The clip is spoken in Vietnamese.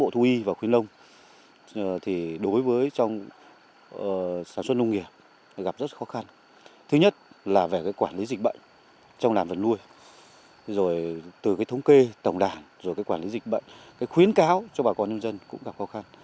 thú y và khuyến đông thì đối với trong sản xuất nông nghiệp gặp rất khó khăn thứ nhất là về cái quản lý dịch bệnh trong làm vật nuôi rồi từ cái thống kê tổng đảng rồi cái quản lý dịch bệnh cái khuyến cáo cho bà con nhân dân cũng gặp khó khăn